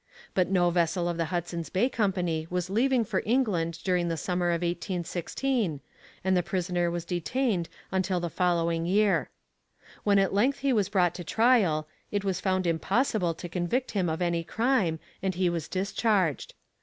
But no vessel of the Hudson's Bay Company was leaving for England during the summer of 1816, and the prisoner was detained until the following year. When at length he was brought to trial, it was found impossible to convict him of any crime, and he was discharged.